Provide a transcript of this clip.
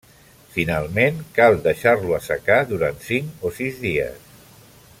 Finalment cal deixar-lo assecar durant cinc o sis dies.